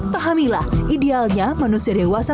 pahamilah idealnya manusia dewasa